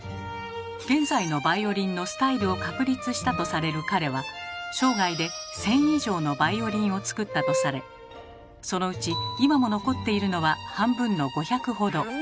現在のバイオリンのスタイルを確立したとされる彼は生涯で１，０００以上のバイオリンを作ったとされそのうち今も残っているのは半分の５００ほど。